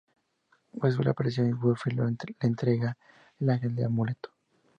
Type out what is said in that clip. Wesley aparece y Buffy le entrega a Ángel el amuleto.